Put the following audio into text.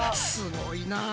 すごいな！